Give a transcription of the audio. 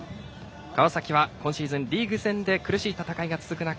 川崎は今シーズンリーグ戦で苦しい戦いが続く中